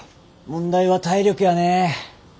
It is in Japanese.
問題は体力やね。